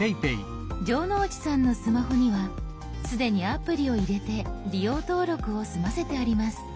城之内さんのスマホには既にアプリを入れて利用登録を済ませてあります。